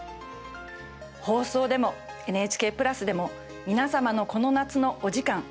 放送でも、ＮＨＫプラスでも皆様のこの夏のお時間